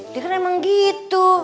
dia kan emang gitu